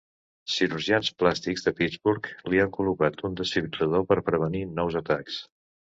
Cirurgians plàstics de Pittsburgh li van col·locar un desfibril·lador per prevenir nous atacs.